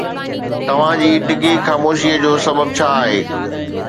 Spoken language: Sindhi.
توهان جي ڊگهي خاموشي جو سبب ڇا آهي؟